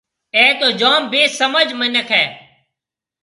اَي تو جوم بيسمجھ مِنک هيَ۔